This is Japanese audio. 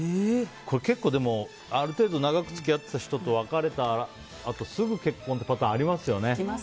結構、ある程度長く付き合ってた人と別れたあとすぐ結婚っていうパターンありますよね。